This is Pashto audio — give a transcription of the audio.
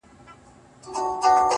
د نوم له سيـتاره دى لـوېـدلى ـ